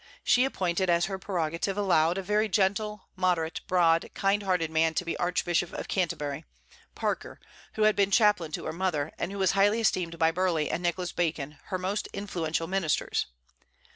She appointed, as her prerogative allowed, a very gentle, moderate, broad, kind hearted man to be Archbishop of Canterbury, Parker, who had been chaplain to her mother, and who was highly esteemed by Burleigh and Nicholas Bacon, her most influential ministers.